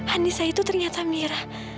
anissa itu ternyata mira